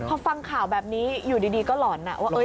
พอฟังข่าวแบบนี้อยู่ดีก็หล่อนว่า